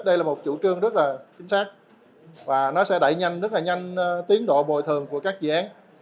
đây là một chủ trương rất là chính xác và nó sẽ đẩy nhanh rất là nhanh tiến độ bồi thường của các dự án